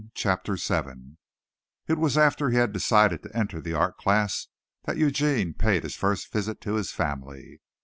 CHAPTER VII It was after he had decided to enter the art class that Eugene paid his first visit to his family.